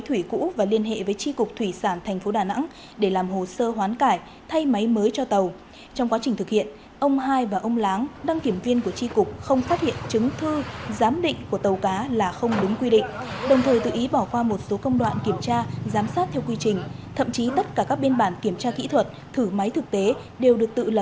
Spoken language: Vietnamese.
hành vi của ông ngô hai và ông lê văn láng có nhu cầu muốn nâng khống công suất máy tàu cá